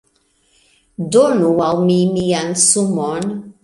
Donu al mi mian sumon!